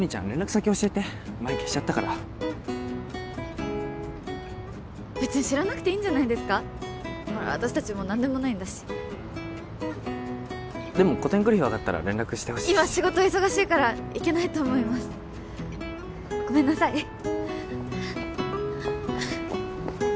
連絡先教えて前消しちゃったから別に知らなくていいんじゃないですかほら私達もう何でもないんだしでも個展来る日分かったら連絡してほしいし今仕事忙しいから行けないと思いますごめんなさい